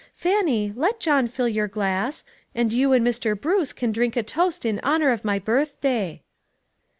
Fannie, let John fill your glass, and you and Mr. Bruce can drink a toast in honor of my birthday."